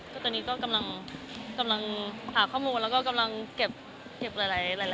ตอนนี้ก็กำลังหาข้อมูลแล้วก็กำลังเก็บหลายอย่างอีกนะคะ